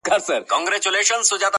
نوموړی اوس په جرمني کي مېشت دی